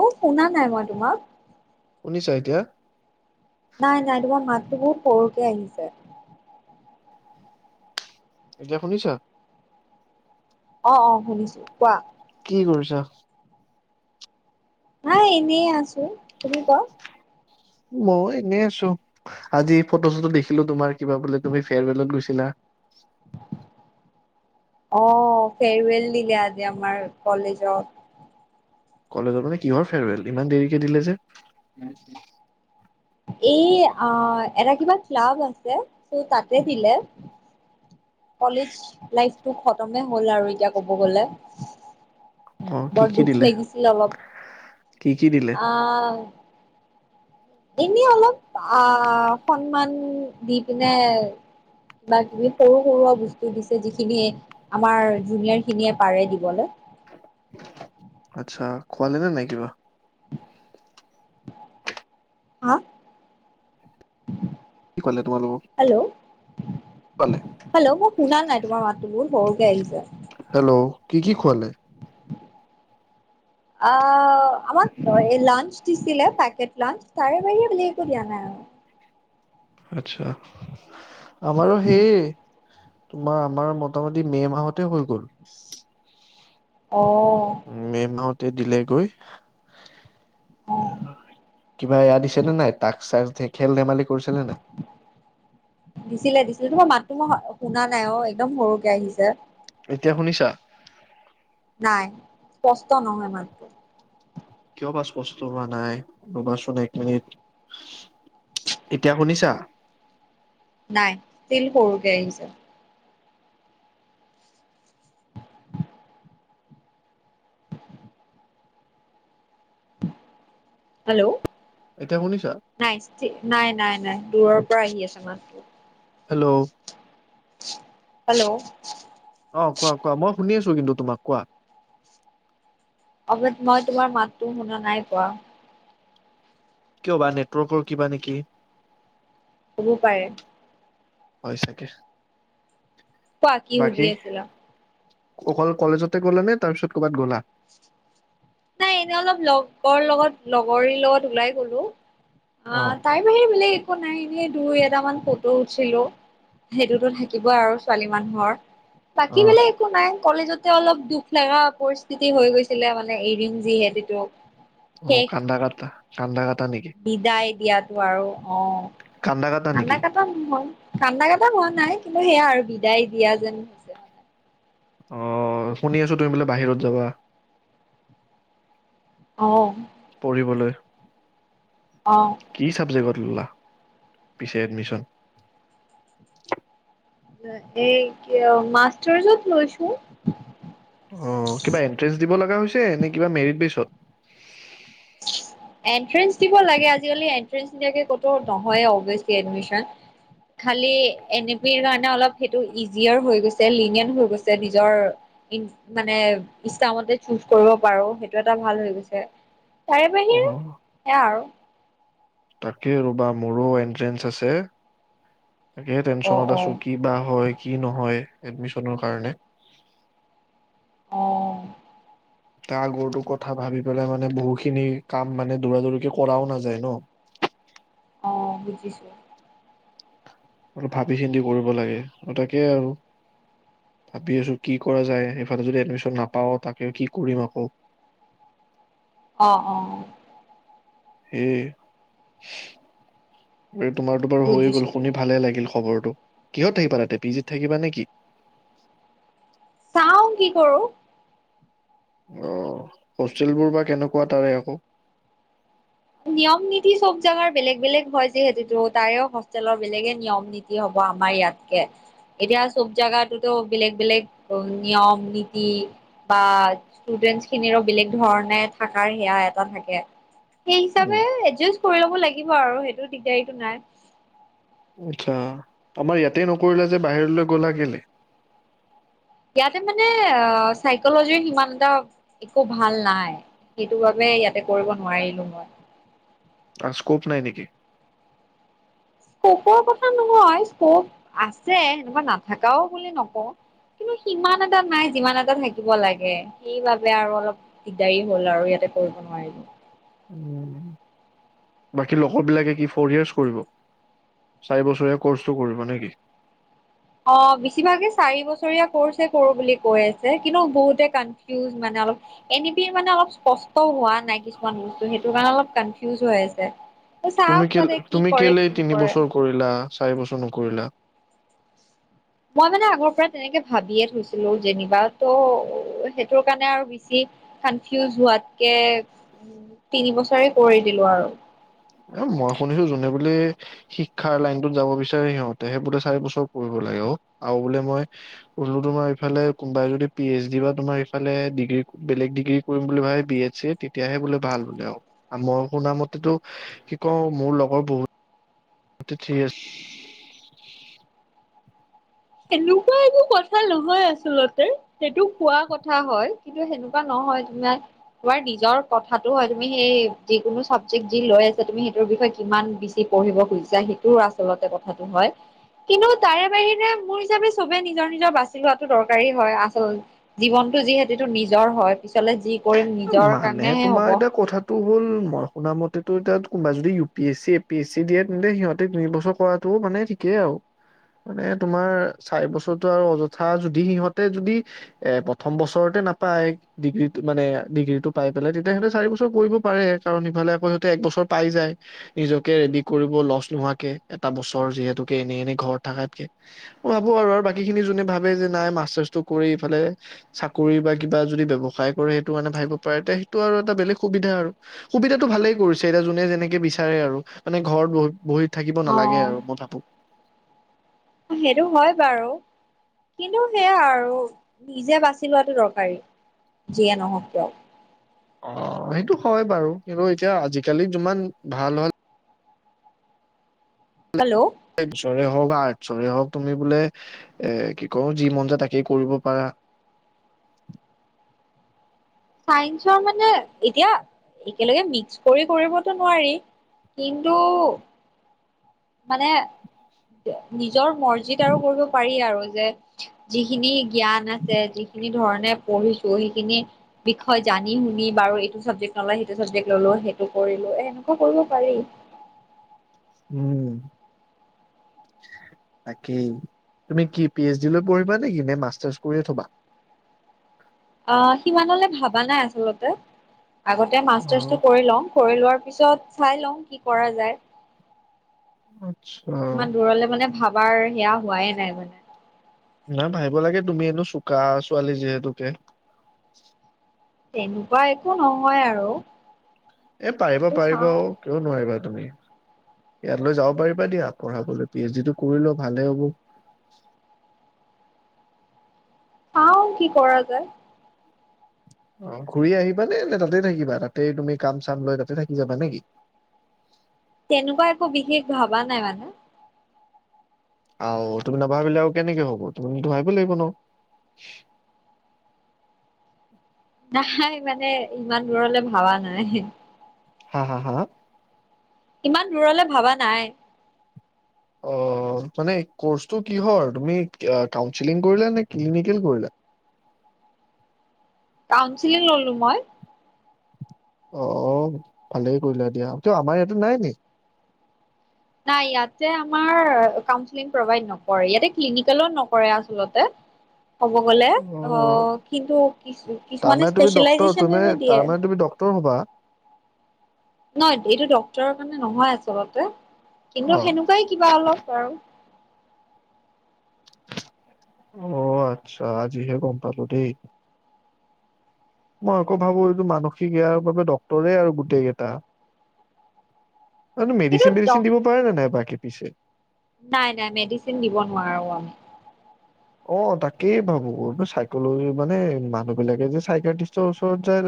অ শুনা নাই মই তোমাক শুনিছ এতিয়া নাই নাই তোমাৰ মাতটোো বহুত সৰুকে আহিছে এতিয়া শুনিছা অ অ শুনিছো কোৱা কি কৰিছ হা এনেই আছো তুমি ক মই এনেই আছো আজি ফটো চটো দেখিলো তোমাৰ কিবা বোলে তুমি ফেয়ৰৱেলত গৈছিলা অ ফেৰৱেল দিখলে আজি আমাৰ কলেজত কলেজত মানে কিহৰ ফেৰৱেল ইমান দেৰিকে দিলে যে এই এটা কিবা ক্লাব আছে ত তাতে দিলে কলেজ লাইফটো খতমে হ'ল আৰু এতিয়া ক'ব গলে অ' কি বৰ কি দুখ দিলে? লাগিছিল অলপ কি কি দিলে? আ এনে অলপ আহ সন্মান দি পিনে কিবা কিবি সৰু সৰুৱ বস্তু দিছে যিখিনি আমাৰ জুনিয়ৰ খিনিয়ে পাৰে দিবলৈ আচ্ছা খোৱালেনেে নাই কিবা হা কি খোৱালে তোমালোকক? হেল্ল' খোৱালে? হেল্ল' মই শুনাল নাই তোমাৰ মাতটো মোৰ সৰক আহিছে হেল্ল' কি কি খোৱালে আহ আমাক লাঞ্চ দিছিলে পেকেট লাঞ্চ তাৰে বাহি বুলি একো দিয়া নাই আৰু আচ্ছা আমাৰো সেই তোমাৰ আমাৰ মোটামটি মে মাহতে হৈ গ'ল অ মে ম দিলে গৈ অ কিবা এয়া দিছে নে নাই তাক চাক থ খেল ধেমালি কৰিছিলে ন তোমই শুনা নাই অ একদম সৰুকে আহিছে এতিয়া শুনিছা নাই স্পষ্ট নহয় মাত্ৰ বছ বস্তু হোৱা নাই ৰবাচোন এক মিনিট এতিয়া শুনিছা নাই ল কৰৰুোগে হি যে হেল্ল' এতিয়া শুনিছা? নাই নাই নাই নাই দূৰৰ পৰা আহি আছে মাছটো হেল্ল' হেল্ল' হয় অ কোৱা কোৱা মই শুনি আছো কিন্তু তোমাক কোৱা অৱ মই তোমাৰ মাতটোো শুনা নাই কোৱা কিয় বা নেটৱৰ্কৰ কিবা নেকি হ'ব পাৰে হয় চাগে পাকি হ দ বাকী আছিলিল অকল কলেজতে গ'লে নে তাৰপিছত ক'ৰবাত গ'লা নাই এনে অলপ লগৰ লগত লগৰীৰ লগত ওলাই গলো অ তাই বাহ মিল শু নাই এনেিয় দুই এটামান ফটো উঠিলো সেইটোতো থাকিবই আৰু ছোৱালী মানুহৰ অ বাকী বেলেগ একো নাই কলেজত এ অলপ দুখ লগা পৰিস্থিতি হৈ গৈছিলে মানে এৰিং যিহেেতটো অ', কান্দা কাটা, কন্দ কাটা নেকি? বিদায় দিয়াত। আৰু অ', কান্দা কাটা নেকি? কান্দা কাটা হোৱা, কান্দা কটা হোৱা নাই। কিন্তু সেয়া আৰু বিদায় দিয়া যেন হৈছে মানে অ', শুনি আছো তুমি বোলে বাহিৰত যাবা। অ পঢ়িবলৈ। অ কি চাবজেক্টত? পিছে এডমিশন এই মাষ্টাৰ যত লৈছো। অ! কিবা এন্ট্ৰেন্ঞ্চ দিব লগা হৈছে- নে কিবা মেৰিটলিষ্টত? এন্ট্ৰেন্ছ দিব লাগে আজিকালি এন্ট্ৰেন্ছ নিদিয়াকে কতো নহয় অভিয়াচলি এডমিচন খালী এন এ পি কাৰণে অলপ সেইটো ইজিয়াৰ হৈ গৈছে লিনিয়ান হৈ গৈছে নিজৰ মানে ইষ্টামতে চুচ কৰিব পাৰো, সেইটো এটা ভাল হৈ গৈছে। তাৰে অ বাহিৰে এয়া আৰু এ! ৰৱা মোৰো এন্ট্ৰেন্ঞ্চ আছে। তাকে অ টেনশচনত অ আছো কি বা হয় কি নহয়? এডমিশনৰ কাৰণে অ', তাৰ আগৰটো কথা ভাবি পেলাই মানে বহুখিনি কাম মানে দৌৰা দৌৰিকে কৰাও নাযায় ন। অ', বুজিছো। ভাবি চিন্তি কৰিব লাগে আৰু তাকে আৰু ভাবি আছো, কি কৰা যায় সিফালে যদি এডমিচন নাপাও তাকে কি কৰিম আকৌ অ', অ', এই এই তোমাৰতো বাৰু হৈ বুজিছো গ'ল শুনি বুজিছো ভাল লাগিল খবৰ কিহত থাকিবা তাতে পিজিত থাকিবা নেকি? চাওঁ কি কৰো। আহ হোষ্টেলবোৰ বা কেনেকুৱা তাৰে আকৌ নিয়ম নীতি চব জাগাৰ বেলেগ বেলেগ হয়। যিহেতুকো তাৰেও হষ্টেলৰ বেলেগে নিয়ম নীতি হ'ব। আমাৰ ইয়াতকে এতিয়া চব জাগাটোতো বেলেগ বেলেগ নিয়ম নীতি, বা ষ্টুডেন্ট খিনিৰো বেলেগ ধৰণে থাকাৰ সেয়া এটা থাকে। সেই উম, হিচাপে এডজেষ্ট কৰি ল'ব লাগিব আৰু সেইটো দিগদাৰিটো নাই। আচ্ছা, আমাৰ ইয়াতে নকৰিলা যে? বাহিৰলৈ গ'লা কেলে? ইয়াতে মানে আ, চাইকলজিৰ সিমান এটা একো ভাল নাই। সেইটো বাবে ইয়াতে কৰিব নোৱাৰিলো মই। আছ স্কপ নাই নেকি? স্কপৰ কথা নহয়, স্কপ আছে। বা নাথকাওঁ বুলি নকওঁ। কিন্তু সিমান এটা নাই যিমান এটা থাকিব লাগে। সেইবাবে আৰু অলপ দিগদাৰি হ'ল, আৰু ইয়াতে কৰিব নোৱাৰিলো। বাকী লগৰ বিলাকে কি ফ'ৰ ইয়াৰ্চ কৰিব। চাৰি বছৰীয়া কৰ্চটো কৰিব নেকি? অ, বেছিভাগে চাৰি বছৰীয়া কৰ্ছে কৰো বুলি কৈ আছে। কিন্তু বহুতে কানফিউজ। মানে অলপ এন বি বি মানে অলপ স্পষ্ট হোৱা নাই। কিছুমান বস্তু সেইটো কাৰণে অলপ কানফিউজ হৈ আছে। তুমি চাওক তাতে কি কিল-তুমি কৰে কেলে কি তিন নকৰে। বছৰ কৰিলা? চাৰি বছৰ নকৰিলা? মই মানে আগৰ পৰা তেনেকে ভাবিয়ে থৈছিলো। যেনিবা ত' সেইটোৰ কাৰণে আৰু বেছি কানফিউজ হোৱাতকে তিন বছৰে কৰি দিলো আৰু মই শুনিছো যোনে বোলে শিক্ষাৰ লাইনটোত যাব বিচাৰে সিহঁতেহে বোলে চাৰি বছৰ পঢ়িব লাগে। অ, আৰু বোলে মই বলো তোমাৰইফালে কোনবাই যদি পি এচ ডি বা তোমাৰইফালে ডিগ্ৰী বেলেগ ডিগ্ৰী কৰিম বুলি ভাৱে বি এচ চিত তেতিয়াহে বোলে ভাল বোলে। অ, মই শুনা মতেতো। কি কওঁ, মোৰ লগৰ বহুত। তে ঠিক আছ সেনেকুৱা একো কথা নহয় আচলতে, সেইটো কোৱা কথা হয়। কিন্তু সেনেকুৱা নহয়, তোমাৰ নিজৰ কথাটো হয়। তুমি সেই যিকোনো চাবজেক যি লৈ আছা তুমি সেইটোৰ বিষয়ে কিমান বেছি পঢ়িব খুজিছা সেইটো আচলতে কথাটো হয়। কিন্তু তাৰে বাহিৰে। মোৰ হিচাপে চবে নিজৰ নিজৰ বাছি লোৱাটো দৰকাৰী হয়। আচল জীৱনতটো যিহেটেতো নিজৰ হয়। পিছলে যি কৰিম নিজৰ মানে কাৰণেহে হ'ব তোমাৰ এটা কথাটো হ'ল মই শুনা মতে তোৰ তাত কোনবাই যদি U P S C, A P S C দিয়ে, তেন্তে সিহঁতে তিনি বছৰ কৰাতটোও মানে ঠিকেই আৰু। মানে তোমাৰ চাৰি বছৰটো আৰু অযথা যদি সিহঁতে যদি এ, প্ৰথম বছৰতে নাপায় ডিগ্ৰী মানে ডিগ্ৰীটো পাই পেলেই তেতিয়া সিহঁতে চাৰি বছৰ কৰিব পাৰে। কাৰণ ইফালে আকৌ সিহঁতে এক বছৰ পাই যায়। নিজকে ৰেডি কৰিব লছ নোহোৱাকে এটা বছৰ যিহেতুকে এনে এনে ঘৰত থাকাতকে। মই ভাবো আৰু আৰু বাকী খিনি যোনে ভাবে যে নাই মাষ্টাৰ্চটো কৰি ইফালে চাকৰি বা কিবা যদি ব্যৱসায় কৰে সেইটো মানে ভাবিব পাৰেতে সেইটো আৰু এটা বেলেগ সুবিধা আৰু সুবিধাটো ভালেই কৰিছে এতিয়া যোনে যেনেকে বিচাৰে আৰু মানে ঘৰত বইি থাকিব অ নালাগে আৰু, মই ভাবো। সেইটো হয় বাৰু। কিন্তু সেয়া আৰু নিজে বাচি লোৱাটো দৰকাৰী। যিয়ে নহওক কিয়। অ, সেইটো হয় বাৰু। কিন্তু এতিয়া আজিকালি যিমান ভাল হ'ল। হে'ল! যৰে হওক বা আৰ্টছৰে হওক তুমি বোলে এ, কি কওঁ যি মন যায় তাকেই কৰিব পাৰা। চাইন্সৰ মানে এতিয়া একেলগে মিক্স কৰি কৰিবতো নোৱাৰি। কিন্তু মানে নি নিজৰ মৰ্জিত আৰু কৰিব পাৰি আৰু। যেত যিখিনি জ্ঞান আছে যিখিনি ধৰণে পঢ়িছো। সেইখিনি বিষয় জানি শুনি বাৰু এইটো চাবজেক্ট নলয়, সেইটো চাবজেক্ট ললো। সেইটো কৰিলো এ, এনেকুৱা কৰিব পাৰি। উম, তাকেই তুমি কি পি এচ ডি লৈ পঢ়িবা নেকি? নে মাষ্টাৰ্চ কৰিয়ে থবা? অ, সিমানলে ভাবা নাই আচলতে। আগতে অ মাষ্টাৰছটো কৰি লওঁ। কৰি লোৱাৰ পিছত চাই লওঁ, কি কৰা যায়। আচ্ছা। ইমান দূৰলে মানে ভাবাৰ সেয়া হোৱাই নাই মানে। নাই ভাবিব লাগে। তুমি এনো চোকা ছোৱালী যিহেতুকে। তেনুকুৱা একো নহয় আৰু। এ, পাৰিবা সেইটো পাৰিবা চাওঁ অ, কিয় নোৱাৰিবা। তুমি ইয়ালৈ যাব পাৰিবা দিয়া পঢ়াবলৈ পি এইচ ডি টো কৰিলোৱা ভালে হ'ব । চাও কি কৰা যায় । অ ঘূৰি আহিবা নে নে তাতে থাকিবা তাতে তুমি কাম চাম লৈ তাতে থাকি যাবা নেকি? তেনেকুৱা একো বিশেষ ভবা নাই মানে । আও তুমি নাভাবিলে আৰু কেনেকৈ হ'ব তুমিটো ভাবিব লাগিব ন। নাই মানে ইমান দূৰলৈ ভাৱা নাই । হা হা হা ইমান দূৰলৈ ভাবা নাই । অ মানে কোৰ্সটো কিহৰ মানে তুমি কাউচিলিং কৰিলা নে ক্লিনিকেল কৰিলা । কাউঞ্চিলিং ললো মই । অ ভালেই কৰিলা দিয়া কিয় আমাৰ ইয়াতো নাই নেকি? নাই ইয়াতে আমাৰ কাউন্সেলিং প্ৰভাইড নকৰে ইয়াতে ক্লিনিকেল ও নকৰে আচলতে। কব গলে অ কিন্তু কিছু কিছুমানে তাৰমানে তুমি ডক্তৰ তুমি স্পেচিয়েলাইজচন এনে দিয়ে । তাৰমানে তুমি ডক্তৰ হবা নাই এইটো ডক্তৰৰ কাৰণে নহয় আচলতে । অ কিন্তু সেনেকোৱাই কিবা অলপ আৰু । অ আচ্ছা আজিহে গম পালো দেই । মই আকৌ ভাবো এইটো মানসিক ইয়াৰ বাবে ডক্তৰে আৰু গোটেই কেইটা। আৰু সেইটো মেডিচিন ডক বেডিচিন দিব পাৰে নে নাই বাকী । পিছে নাই নাই মেডিচিন দিব নোৱাৰো আমি । অ তাকেই ভাবো চাইকল'জি মানে মানুহ বিলাকে যে চাইকেটিষ্টৰ ওচৰত যায়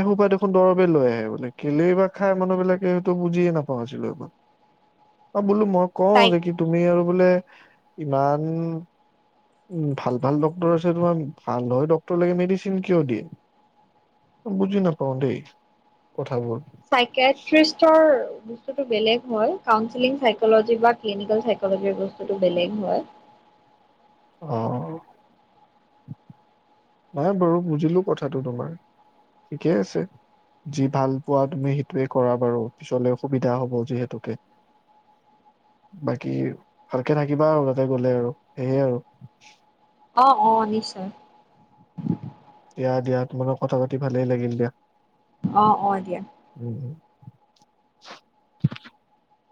এসোপাই দেখোন দৰৱে লৈ আহে মানে কেলেই বা খাই মানুহ বিলাকে টো বুজিয়ে নাপাওঁ আজিলৈকে বোলো মই কওঁ চাই যে কি তুমি আৰু বোলে ইমান উম ভাল ভাল ডক্তৰ আছে তোমাৰ ভাল হৈ ডক্তৰ লাগে মেডিচিন কিয় দিয়ে বুজি নাপাও দেই কথাবোৰ চাইকেট্ৰিষ্টৰ বস্তুটো বেলেগ হয় কাউচেলিং চাইকলজি বা ক্লিনিকেল চাইকলজিৰ বস্তুটো বেলেগ হয়। অ নাই বাৰু বুজিলো কথাটো তোমাৰ ঠিকেই আছে যি ভাল পোৱা তুমি সেইটোৱে কৰা বাৰু পিছলে সুবিধা হব যিহেতুকে বাকী ভালকে থাকিবা আৰু যলে গলেও আৰু সেয়ে আৰু অ অ নিশ্চয় দিয়া দিয়া তোমাৰ লগত কথা পাতি ভালেই লাগিল দিয়া। অ অ দিয়া উম। উম।